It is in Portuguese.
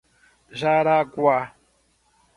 Jaraguá